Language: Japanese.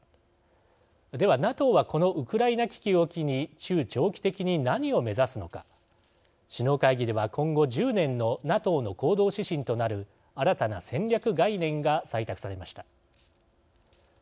では、ＮＡＴＯはこのウクライナ危機を機に中長期的に何を目指すのか。首脳会議では今後１０年のＮＡＴＯの行動指針となる新たな戦略概念が採択されました。